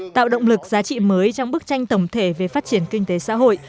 tạo động lực giá trị mới trong bức tranh tổng thể về phát triển kinh tế xã hội